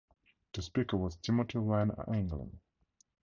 The Speaker was Timothy Warren Anglin.